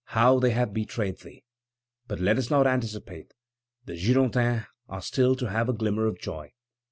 how they have betrayed thee!" But let us not anticipate. The Girondins are still to have a glimmer of joy.